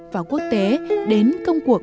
và quốc tế đến công cuộc